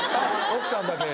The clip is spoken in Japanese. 奥さんだけ。